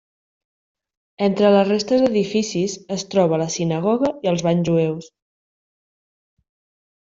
Entre les restes d'edificis es troba la sinagoga i els banys jueus.